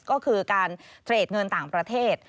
ก็คือการเทรดเงินต่างประเทศ